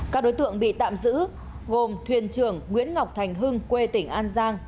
các đối tượng bị tạm giữ gồm thuyền trưởng nguyễn ngọc thành hưng quê tỉnh an giang